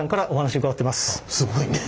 すごいね。